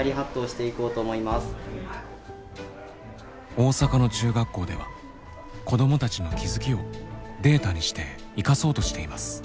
大阪の中学校では子どもたちの気付きをデータにして生かそうとしています。